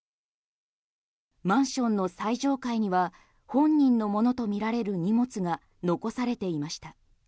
マンションの最上階には本人のものとみられる荷物が残されていました。